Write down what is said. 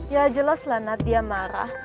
ya jelas lah nadia marah